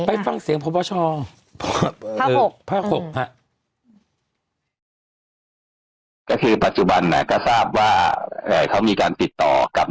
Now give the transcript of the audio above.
ไปฟังเสียงพ่อเ๔๐๖ครับ